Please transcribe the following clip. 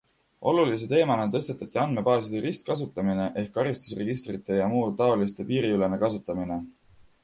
Olulise teemana tõstatati andmebaaside ristkasutamine ehk karistusregistrite jmt piiriülene kasutamine.